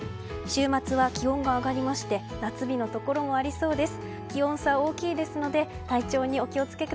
週末は気温が上がりまして夏日のところもありそうです。